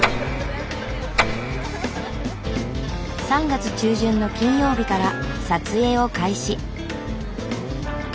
３月中旬の金曜日から撮影を開始。